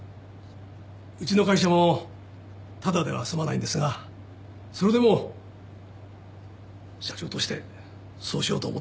うちの会社もただでは済まないんですがそれでも社長としてそうしようと思ったんです。